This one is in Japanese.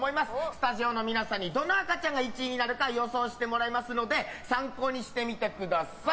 スタジオの皆さんにどの赤ちゃんが１位になるか予想してもらいますので参考にしてみてください。